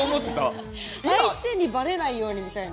相手にばれないようにみたいな。